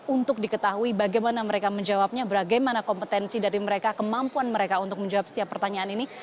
untuk diketahui bagaimana mereka menjawabnya bagaimana kompetensi dari mereka kemampuan mereka untuk menjawab setiap pertanyaan ini